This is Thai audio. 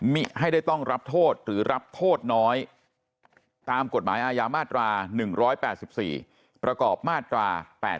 ให้ได้ต้องรับโทษหรือรับโทษน้อยตามกฎหมายอาญามาตรา๑๘๔ประกอบมาตรา๘๘